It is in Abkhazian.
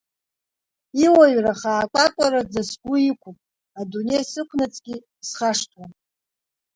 Иуаҩра хаакуакуараӡа сгу иқууп, адунеи сықунаҵгьы исхашҭуам!